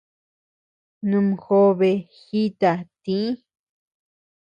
Numjobe jita tï.